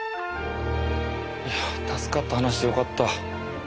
助かった話でよかった。